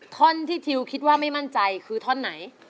ท่อนที่ทิวคิดว่าไม่มั่นใจคือท่อนไหน